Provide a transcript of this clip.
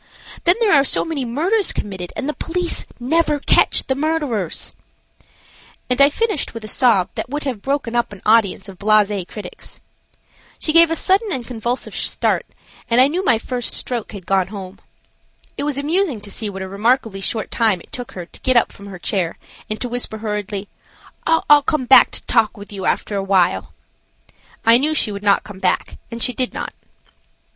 Then there are so many murders committed, and the police never catch the murderers," and I finished with a sob that would have broken up an audience of blase critics. She gave a sudden and convulsive start, and I knew my first stroke had gone home. It was amusing to see what a remarkably short time it took her to get up from her chair and to whisper hurriedly: "I'll come back to talk with you after a while." I knew she would not come back and she did not.